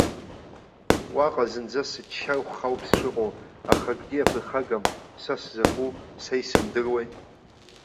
Уаҟа зынӡа сыччархәха ауп сшыҟоу, аха акгьы иаԥырхагам, са сзакәу са исымдыруеи!